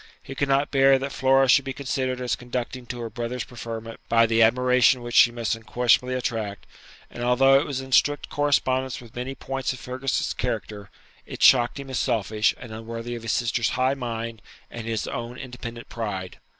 He could not bear that Flora should be considered as conducing to her brother's preferment by the admiration which she must unquestionably attract; and although it was in strict correspondence with many points of Fergus's character, it shocked him as selfish, and unworthy of his sister's high mind and his own independent pride.